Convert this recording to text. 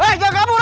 eh jangan kabur